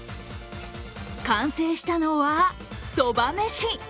完成したのはそばめし！